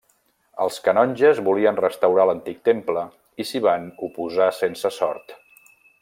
Els canonges volien restaurar l'antic temple i s'hi van oposar sense sort.